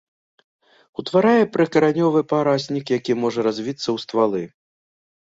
Утварае прыкаранёвы параснік, які можа развіцца ў ствалы.